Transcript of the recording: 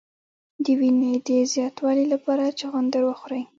د وینې د زیاتوالي لپاره چغندر وخورئ